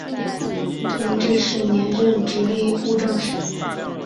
同治十年任直隶布政使。